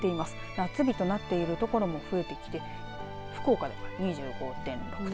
夏日となっている所も増えてきて福岡では２５．６度。